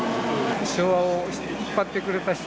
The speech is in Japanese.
昭和を引っ張ってくれた人。